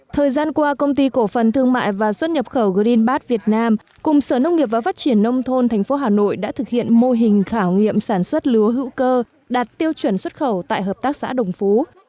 thời gian qua công ty cổ phần thương mại và xuất nhập khẩu greenbat việt nam cùng sở nông nghiệp và phát triển nông thôn tp hà nội đã thực hiện mô hình khảo nghiệm sản xuất lúa hữu cơ đạt tiêu chuẩn xuất khẩu tại hợp tác xã đồng phú